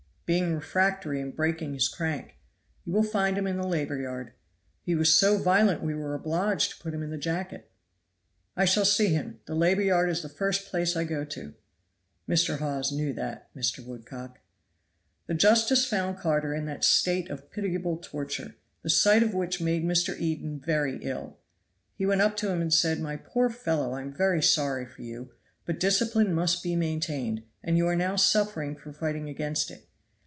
"Being refractory and breaking his crank. You will find him in the labor yard. He was so violent we were obliged to put him in the jacket." "I shall see him. The labor yard is the first place I go to." Mr. Hawes knew that, Mr. Woodcock. The justice found Carter in that state of pitiable torture, the sight of which made Mr. Eden very ill. He went up to him and said, "My poor fellow, I am very sorry for you; but discipline must be maintained, and you are now suffering for fighting against it.